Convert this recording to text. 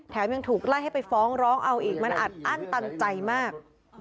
ยังถูกไล่ให้ไปฟ้องร้องเอาอีกมันอัดอั้นตันใจมาก